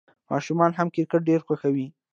ماشومان هم کرکټ ډېر خوښوي.